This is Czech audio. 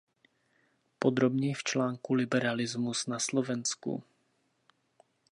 Podrobněji v článku Liberalismus na Slovensku.